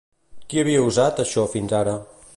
Qui havia usat això fins ara?